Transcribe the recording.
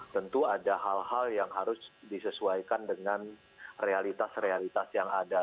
tentu ada hal hal yang harus disesuaikan dengan realitas realitas yang ada